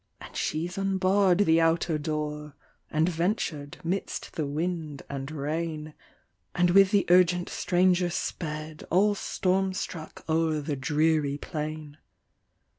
And she's unbarr'd the outer door, And ventur'd 'midst the wind and rain, And with the urgent stranger sped, All storm struck o'er the dreary plain.